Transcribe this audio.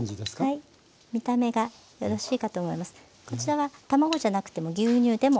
はい。